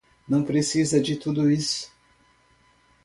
Não precisa de tudo isso.